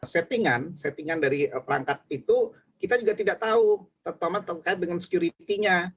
settingan settingan dari perangkat itu kita juga tidak tahu terutama terkait dengan security nya